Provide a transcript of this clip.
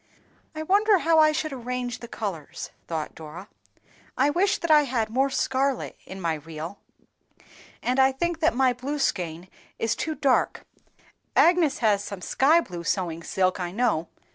"I wonder how I should arrange the colors," thought Dora; "I wish that I had more scarlet in my reel, and I think that my blue skein is too dark; Agnes has some sky blue sewing silk, I know.